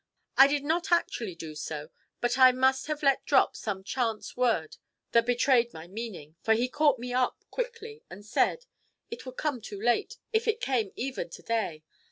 I did not actually do so, but I must have let drop some chance word that betrayed my meaning, for he caught me up quickly, and said, 'It would come too late, if it came even to day.